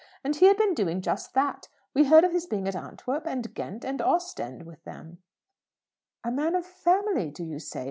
And he had been doing just that. We heard of his being at Antwerp, and Ghent, and Ostend with them." "A man of family, do you say?